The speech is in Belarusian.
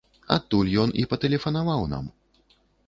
Адтуль ён і патэлефанаваў нам.